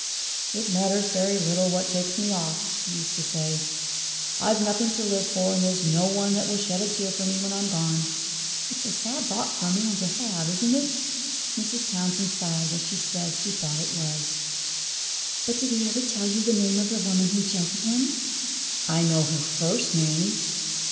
'It matters very little what takes me off,' he used to say; 'I've nothing to live for, and there's no one that will shed a tear for me when I am gone.' It's a sad thought for a man to have, isn't it?" Mrs. Townsend sighed as she said she thought it was. "But did he ever tell you the name of the woman who jilted him?" "I know her first name."